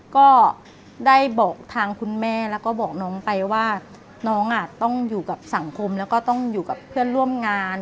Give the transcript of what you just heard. ก็ได้บอกทางคุณแม่แล้วก็บอกน้องไปว่าน้องต้องอยู่กับสังคมแล้วก็ต้องอยู่กับเพื่อนร่วมงาน